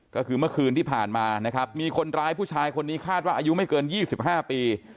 ก็คือเมื่อคืนที่ผ่านมานะครับมีคนร้ายผู้ชายคนนี้คาดว่าอายุไม่เกิน๒๕ปี